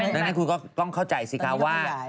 ดังนั้นคุณก็ต้องเข้าใจสิคะว่า